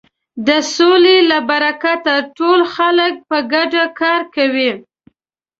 د سولې له برکته ټول خلک په ګډه کار کوي.